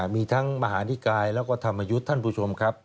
มีทั้งมหานิกายแล้วก็ธรรมยุทธ์ท่านผู้ชมครับ